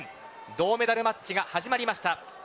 銅メダルマッチが始まりました。